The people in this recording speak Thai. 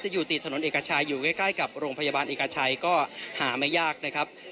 อยู่ติดถนนเอกชัยอยู่ใกล้กับโรงพยาบาลเอกชัยก็หาไม่ยากนะครับ